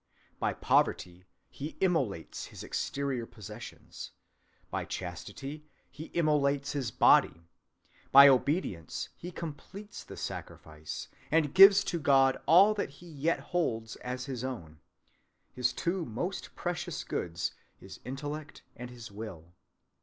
By poverty he immolates his exterior possessions; by chastity he immolates his body; by obedience he completes the sacrifice, and gives to God all that he yet holds as his own, his two most precious goods, his intellect and his will.